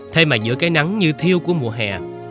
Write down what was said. thay mà giữa cái nắng như thiêu của mùa hè